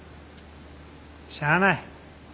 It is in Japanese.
しゃあない。